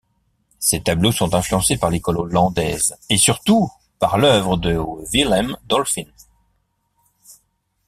Ses tableaux sont influencés par l'école hollandaise et surtout par l'œuvre de Willem Dolphyn.